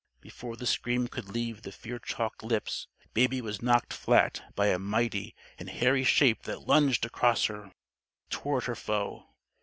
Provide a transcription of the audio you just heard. Before the scream could leave the fear chalked lips, Baby was knocked flat by a mighty and hairy shape that lunged across her toward her foe.